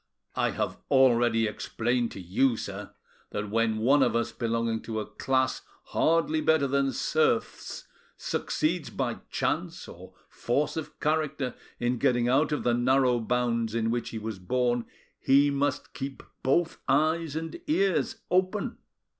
"I have already explained to you, sir, that when one of us belonging to a class hardly better than serfs succeeds by chance or force of character in getting out of the narrow bounds in which he was born, he must keep both eyes and ears open.